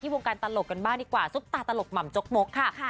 วงการตลกกันบ้างดีกว่าซุปตาตลกหม่ำจกมกค่ะ